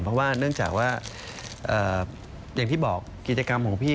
เพราะว่าเนื่องจากว่าอย่างที่บอกกิจกรรมของพี่